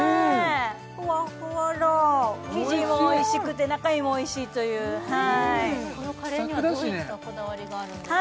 ふわふわだ生地もおいしくて中身もおいしいというこのカレーにはどういったこだわりがあるんですか？